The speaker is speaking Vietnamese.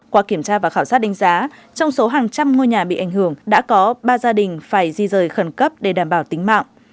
qua kiểm tra và khảo sát đánh giá trong số hàng trăm ngôi nhà bị ảnh hưởng đã có ba gia đình phải di rời khẩn cấp để đảm bảo tính mạng